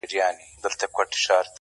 د پنځونو هیله لرله